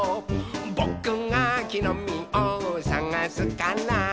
「ぼくがきのみをさがすから」